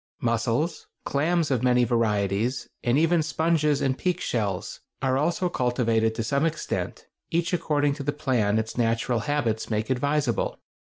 ] Mussels, clams of many varieties, and even sponges and peak shells, are also cultivated to some extent, each according to the plan its natural habits make advisable.